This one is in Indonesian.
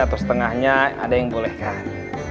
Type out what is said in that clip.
atau setengahnya ada yang boleh kan